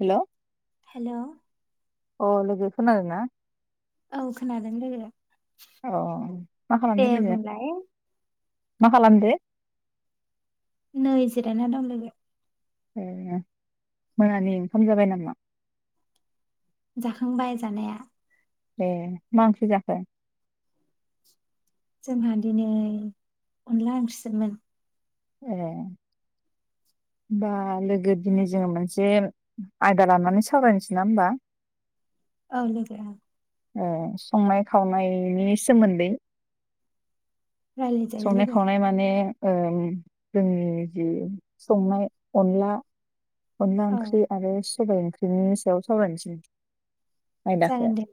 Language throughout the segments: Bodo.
हेल' हेल' अ लोगो खोनादोंना? औ खोनादों लोगो अ मा दे खालामदो लोगो बुंलाय। मा खालामदों? नै जिरायना दं लोगो। ए मोनानि ओंखाम जाबाय नामा? जाखांबाय जानाया। ए मा ओंख्रि जाखो? जोंहा दिनै अनला ओंख्रि सोमोन। ए होमबा लोगो दिनै जोङो मोनसे आयदा लानानै सावरायनोसै ना होमबा? औ लोगो ए संनाय खावनायनि सोमोन्दै। रायलायजायो संनाय लोगो खावनाय माने ओम जि जोंनि जि संनाय अनला अनला औ ओंख्रि आरो सबाइ ओंख्रिनि सायाव सावरायनोसै। आयदाखौ जागोन दे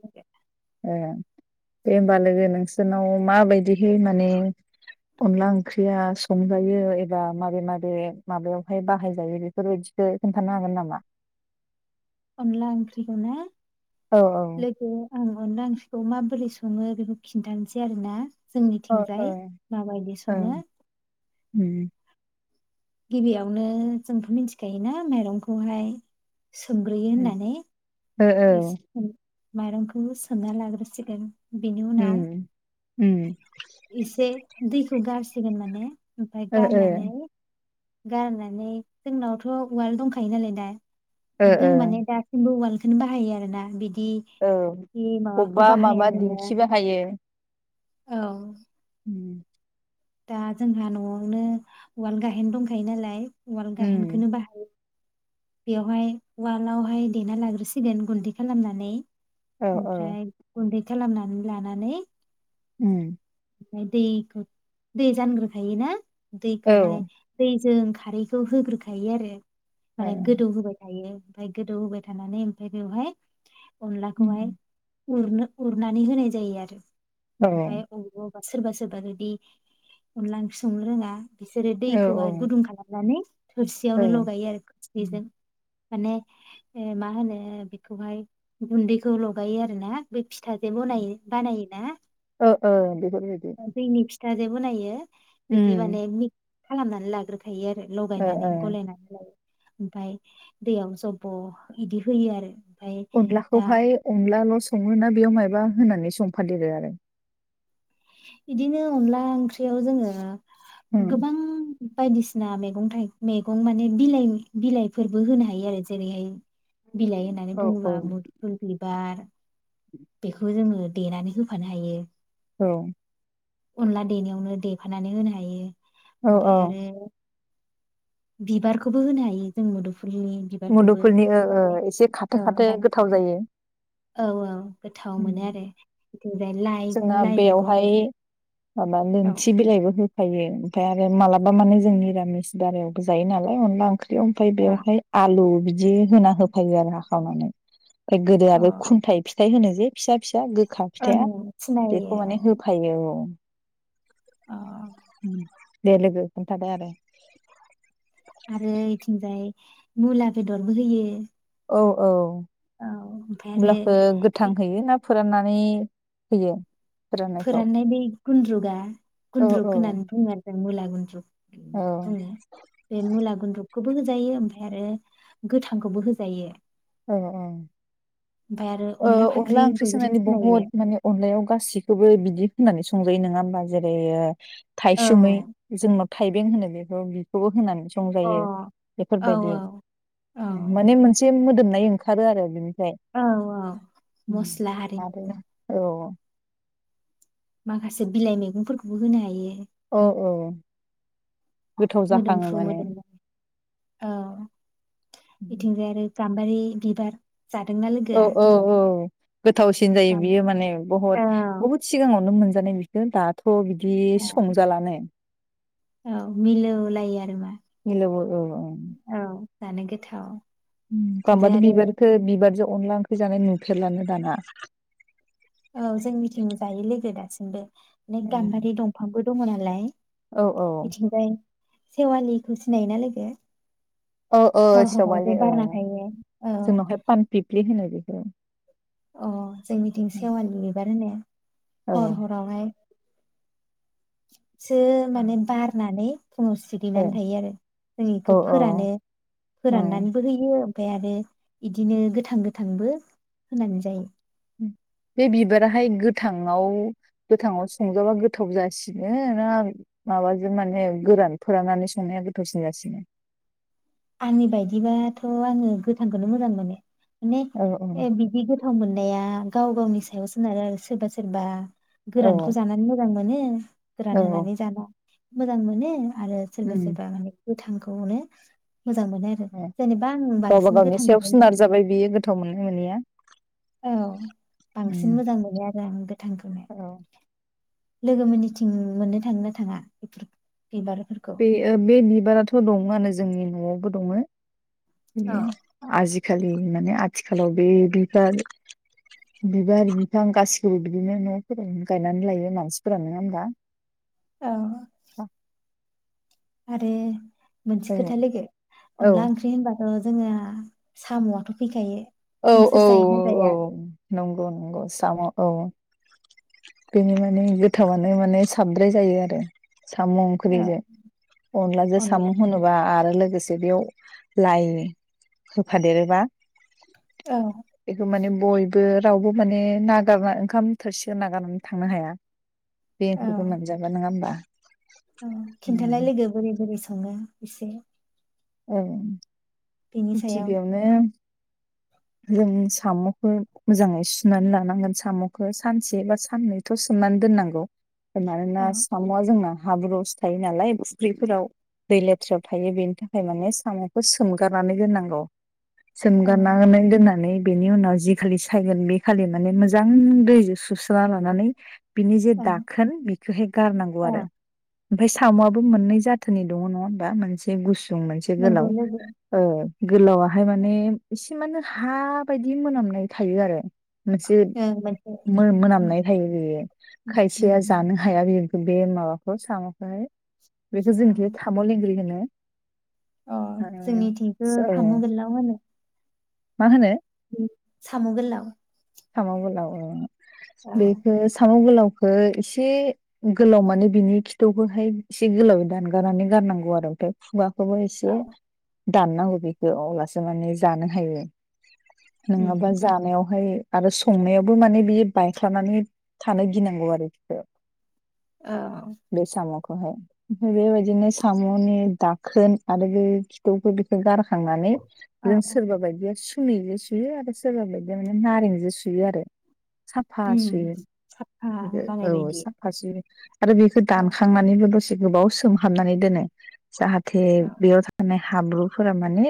दे होनबा लोगो नोंसोरनाव माबायदिहै माने अनला ओंख्रिया संजायो एबा माबे माबे माबायावहाय बाहायजायो बेफोरबायदि। खोन्थानो हागोन नामा अनला ओंख्रिखौ ना औ लोगो ओ अनला ओंख्रैखौ माबोरै सङो बेखौ खिन्थानोसै आरोना ओ ओ जोंनिथिंजाय मा बायदि सङो। ओं उम गिबियावनो जोंथ मिथिखायोना माइरंखौहाय सोमग्रोयो उम होननानै ओ एसे माइरंखौ सोमन्ना लाग्रोसिग बिनि उनाव उम उम एसे दैखौ गारसिगोन माने आमफ्राय ओ गारनानै ओ गारनानै जोंनावथ' उवाल दंखायो नालाय दा जों माने ओ दासिमबो उवाल खौनो बाहायो आरोना बिदि औ इ माबाखौ बबेबा बाहाया माबा जोङो दिन्थिबाय थायो। औ दा जोंहा न'आवनो उवाल गाहेन दंखायो नालाय। उवाल उम गाहेनखौनो बाहायो। बेवहाय उवालावहाय देना लाग्रोसिगोन गुन्दै खालामनानै। औ औ ओमफ्राय गनदै खालामनानै लानानै उ [unintelligible] दैखौ दे जानग्रोखायो ना औ दैखौ हाय दै जों खारैखौ होग्रोखायो आरो औ माने गोदौ होबाय थायो। ओमफ्राय गोदौ होबाय थानानै ओमफफ्राय बेवहाय अनला खौहाइ उरनो उरनानै होनाय जायो आरो औ मफ्राय [unintelligible] सोरबा सोरबा बादि अनला ओंख्रै संनो रोङा बिसोरो दैखौहाय औ गुदुं खालामनानै थोरसियावनो लगायो आरो थोरसिजों माने मा होनो बेखौहाय गुन्दैखौ लगायो आरोना बे फिथाजों बानायो बानायोना ओ ओ बेफोरबायदि [unintelligible] उम बिदि माने खालामनानै लाग्रो थायो आरो ओ लगायनानै ओ गलायनानै लायो ओमफ्राय दैयाव जब्ब' बिदि होयो आरो दा अनलाखौहाय अनलाल' सङोना बेयाव मायबा होनानै संफादेरो आरो बिदिनो अनला ओंख्रियाव जोङो उम गोबां बायदिसिना मैगं थाइ मैगं माने बिलाइ बिलाइफोरबो होनो हायो आरो जेरैहाय बिलाइ होननानै औ औ बुङोबा मुदुफुल बिलाइ बा बेखौ जोङो देनानै होफानो हायो औ अनला देनायावनो देफानानै होनो हायो औ औ ओमफ्राय आरो बिबारखौबो होनो हायो जों मुदुफुल मुदुफुलनि ओ ओ एसे औ खाथो खाथो दाल गोथाव जायो औ औ गोथाव मोनो आरो बिदि जोंना बेयावहाय माबा औ लोनथि बिलायबो होफायो ओमफ्राय आरो मालाबा माने जोंनि मिरामिस बारायावबो जायो नालाय अनला ओंख्रि ओमफ्राय ओ बेवहाय आलु बि जि होना होफायो आरो हाखावनानै गोदो अ आरो खुन्थाइ फिथाइ होनो जे फिसा फिसा गो गोखा फिथाया ओं सिनायो बेखौ माने औ होफायो औ अ [inaudible] दे लोगो खोनथादो आरो आरो इथिंजाय मुला बेदरबो होयो औ औ औ ओमफ्राय आरो मुलाखो गोथां बे होयो ना फोराननानै होयो फोराननायखौ? फोराननाय बे गुन्द्रुकआ औ गुन्द्रुक होननानै बुङो आरो मुला गुनद्रु औ बुङो बे मुला गुन्द्रु खौबो होजायो ओमफ्राय आरो गोथांखौबो होजायो औ ओमफ्राय आरो औ फाख्रि अनला ओंख्रि बयबो संनानै बहुद सिनायो माने अनलायाव गासिखौबो बिदि बिदि होनानै संजायो नङा होमबा जेरै औ थायसुमै जों माबा थाइबें होनो बेखौ बेखौबो होनानै अ संजायो औ बेफोरबायदि औ औ माने मोनसे मोदोम नाय ओंखारो आरो बिनो औ औ मस्ला आरो हारिनि औ माखासे बिलाइ मैगंफोरखौबो होनो हायो अ औ गोथाव जाखाङो मोदोमफ्रु माने। इथिंजाय आरो गामबारि बिबार जादोंना औ लोगोआ औ औ गोथावसिन जायो गाम बियो माने बहुत औ बुहुत सिगाङावनो मोनो। [unintelligible] दाथ' थ' बिदि संजालानो। औ मिलौलायो आरो मा मिलौवो औ औ जानो गोथाव। ओम बिथिंजाय गामबारि आरो बिबारखौ बिबारजों अनदला ओंख्रि जानाय नुफेरलानो दाना। औ जोंनिथिं जायो लोगो दासिमबो। गामबारि दंफांबो दंनालाय औ औ बेथिंजाय सेवालिखौ सिनायोना लोगो? औ औ हर हराव जे सेवालि औ बारना थायो औ जोंनावहाय पानफिफ्लि होनो बे औ अ जोंनिथिं सेवालि बिबार होनो औ हर हरावहाय [inaudible] सो माने बारनानै फुङाव औ सिरिनानै थायो आरो जों औ बेखौ फोरानो औ फोराननानैबो होयो। ओमफ्राय आरो इदिनो गोथां गोथांबो होनानै जायो। बे बिबाराहाय गोथाङाव, गोथाङाव संजाबा गोथाव जासिनो ना माबाजों माने गोरान फोराननानै संनाया गोथावसिन जासिनो? आंनि बायदिबाथ' आङो गोथांखौनो मोजां मोनो। माने औ औ बिदि गोथाव मोननाया गाव गावनि सायाव सोनारो आरो सोरबा सोरबा औ गोरानखौ जानानै मोजां मोनो नो फोरान औ होनानै जाला मोजां मानो आरो सोरबा उम सोरबा गोथांखौनो मोजां मोनो आरो जेनेबा आं गावबा बांसिन गावनि सायाव गोथांखौनो सोनारजाबाय बियो गोथाव मोननाय मोनैया औ बांसिन मोजां मोनो आरो आं गोथांखौनो औ लोगो मोननिथिं मोननो थाङोना थाङा? बिबारफोरखौ? बे बे बिबाराथ' दङआनो जोंनि न'आवबो दङ'। औ बि आजि आजिखालि माने आथिखालाव बे बिबार बिबार बिफां गासिखौबो बिदिनो न'फोराव गायनानै लायो मानसिफोरा नोङा होमबा? औ। आरो मोनसे खोथा लोगो अनला ओंख्रि होनबा जोंओ साम'आथ' फैखायो औ औ नोंसोर औ जायोना औ जाया? नंगौ नंगौ। साम' औ बेनि माने गोथावानो माने साबद्राय जायो आरो साम' औ ओंख्रिजों अनलाजों साम' अनला होनोबा आर रो लोगोसे बेयाव लाइ होफादेरोबा औ। बेखौ माने बयबो रावबो माने नागारना ओंखाम थोरसि नागारनानै थांनो हाया बे औ ओंख्रिखौ मोनजाबा नङा होमबा? औ खिन्थानाय लोगो बोरै बोरै सं सङो एसे औ। बेनि सायाव गिबियावनो जों साम'खो मोजाङै सुनानै लानांगोन साम'खौ सानसे बा साननैथ' सोमनानै दोननांगौ मानोना औ साम'वा जोंना हाब्रुआवसो थायो नालाय फुख्रिफोराव दै लेथ्रायाव थायो बेनि थाखाय माने साम'खौ सोमगारनानै दोननांगौ सोमगारना औ दोननानै बेनि उनाव जि खालि सायगोन बे खालि माने मोजां दैजों सुस्राना लानानै बिनि जे औ दाखोन बिखोहाय गारनांगौ आरो औ ओमफाय साम'आबो मोननै जाथोनि दङ' नङा हमबा मोनसे गुस सुं मोनसे नंगौ गोलाव लोगो ओ गोलावाहाय माने एसे मानो हा बायदि मोनामनाय थायो आरो मोनसे ओं मोनसे मो उम मोनामनाय थायो बेयो उम खायसेया उम जानो हाया बे बे माबाखौ साम'खोहाय बेखौ औ जोंथियो थाम लेंग्रि होनो [inaudible] अ ओ जोंनिथिंबो ओ सामु गोललाव होनो मा होनो सामु गोललाव साम' गोलाव ओ बेखौ साम' गोलाव खो एसे गोलाव माने बिनि खिथौखौहाय एसे गोलावै दानगारनानै गारनांगौ आरो ओमफ्राय खुगा खोबो एसे औ दाननांगौ बेखौ अब्लासो माने जानो हायो नङाबा उम जानायावहाय आरो संनायावबो माने बियो बायख्लानानै थानो गिनांगौ आरो बिखौ औ खौहाय ओमफ्राय बेबायदिनो सामनि दाखोन आरो बे खिथौखौ बेखौ गारखा थांनानै जों औ सोरबा बायदिया सु खुनिजो सुयो आरो सोरबा बादिया माने नारें जो सुयो आरो साफा उम सुयो साफा जानाय औ बायदि साफा सुयो आरो बेखौ ओ दानखांनानैबो दसे एसे गोबाव सोंहाबनानै दोनो जाहाथ ओ बेयाव थानाय हा हाब्रुफोरा माने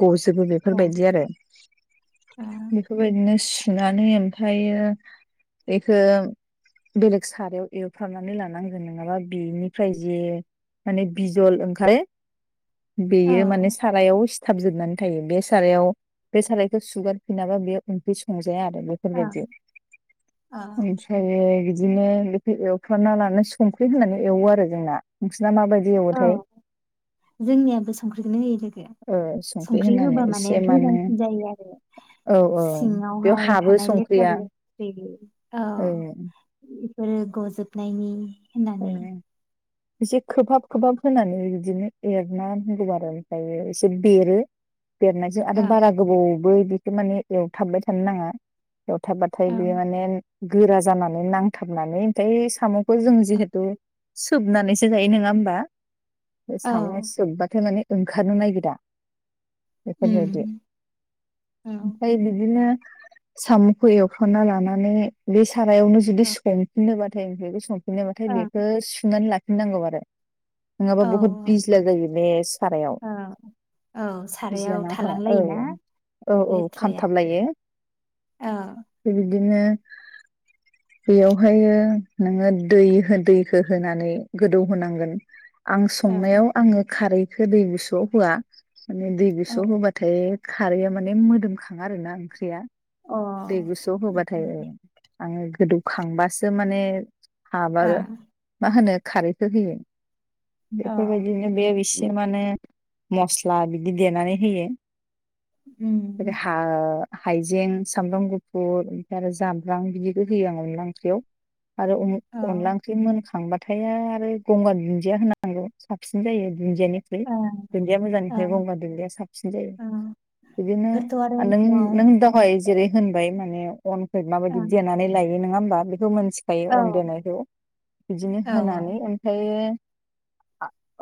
गजो जोबो ओ बेफोरबायदि आरो बेफोरबायदिनो सु सुनानै ओमफ्रायो बेखौ बेलेग सारायाव एवफ्रामनानै लानांगोन नङाबा बिनिफ्राय जे माने बिजल ओंखारो बेयो माने औ सारायाव सि थाबजोबनानै थायो बे सारायाव बे सारायखौ सुगार फिनाबा बेयो ओंखि जाया आरो ओ बेफोरबायदि औ ओफ्रायो बिदिनो बेखौ एवफ्रना लानानै संख्रि होनानै एवो आरो जोंना माबायदि औ एवोथाय जोंनियाबो संख्रिखौनो होयो लोगो ओ संख्रि होनानै होबा माने एसे मानो मोजांसिन जायो आरो औ औ सिङाव बेयाव बेवहाय हाबो थानाय लेथ्रा संख्रिया लेथ्रि ओ औ फोर गजोबनायनि औ होननानानै एसे खोबहाब खोबहाब होनानै बिदिनो एरना होनगौ आरो ओमफ्रायो एसे बेरो बेरनायजों आरो ओं बारा गोबाव बो बिखौ माने एवथाबबाय थानो नाङा एवथाबबाथाय बे ओं माने गोरा जानानै नांथाबनानै ओमफ्राय सामखौ जों जिह थु सोबनानैसो जायो नङा होमबा औ साम सोबबाथाय माने ओंखारनो नागिरा बेफोरबायदि उम औ ओमफ्राय बिदिनो सामखौ एवफ्रामना लानानै बे- सारायावनो जुदि औ संफिननोबा थाय बे सं नाथाय ओं बेखौ सुनानै लाखि नांगौ आरो नङाबा बुहुत औ बिज्ला जायो बे सारायाव औ औ बिज्ला सारायाव ना हा थालांलायोना ओं औ औ लेथ्राया खामथाबलायो औ उम। दिनो बेयावहाय नोङो दै खो दैखो होनानै गोदौ होनांगोन आं ओं संनायाव आङो खारै खो दै गुसुआव होआ माने दै औ गुसुआव होबाथाय खारैया माने मोदोमखाङा आरो ना ओंख्रिया अ दै गुसुआव होबाथाय। आङो गोदौखांबासो माने हा बार ओं मा होनो खारैखौ होयो औ बेफोर बायदिनो बे सि माने मस्ला बिदि देनानै होयो बिदि उम हा हाइजें सामब्राम गुफुर ओमफ्राय आरो जाब्रां बिदिखौ होयो आङो अनला ओंख्रियाव। आरो उमु औ अनलां मोनखांबाथाय आरो गंगार दुन्दिया होनांगौ साबसिन जायो। दुन्दियानिख्रुइ ओं दुन्दिया औ मोजांनिफ्राय गंगार दुन्दिया साबसिन जायो औ बिदिनो बेफोरथ' आरो नों न'आव नों दावहाय जेरै होनबाय माने अनफोर माबायदि ओं देनानै लायो बे नोंआ होमबा फ्रोमोनथिखायो अन देनायखौ बिदिनो औ होनानै ओमफाय बे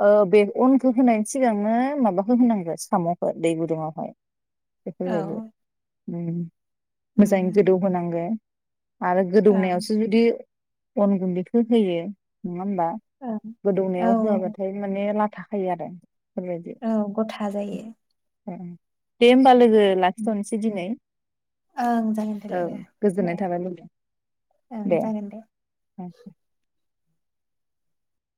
ओ बे अनखौ होनायनि सिगांनो माबाखौ होनांगो सामखौ दै गुदुंङावहाय बेखो जायो औ [unintelligible] मोजांङै उम गोदौ होनांगो आरो ओं गोदौनायावसो जुदि अन गुन्दै हो होयो नङा होमबा ओं औ गोदौनायाव होबाथाय माने लाथ थाखायो आरो बेफोरबायदि औ गथा जायो। ए दे होमबा लो गो लाखिथनोसै दिनै ओं जागोन दे औ लोगो दे गोजोननाय थाबाय लोगो ओं दे जागोन [unintelligible]